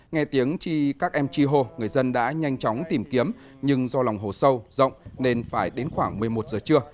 nghe tiếng chi các em chi hồ người dân đã nhanh chóng tìm kiếm nhưng do lòng hồ sâu rộng nên phải đến khoảng một mươi một giờ trưa